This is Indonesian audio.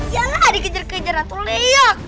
janganlah dikejar kejar atul leak